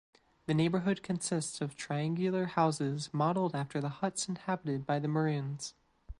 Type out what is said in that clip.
The neighbourhood consists of triangular houses modelled after the huts inhabited by the Maroons.